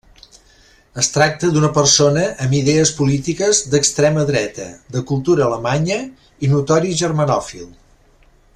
Es tracta d'una persona amb idees polítiques d'extrema dreta, de cultura alemanya i notori germanòfil.